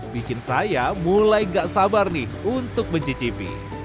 bikin saya mulai gak sabar nih untuk mencicipi